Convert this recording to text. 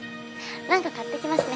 何か買ってきますね